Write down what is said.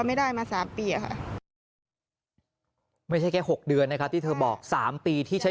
ไม่ได้มา๓ปีอะค่ะไม่ใช่แค่๖เดือนนะครับที่เธอบอก๓ปีที่ใช้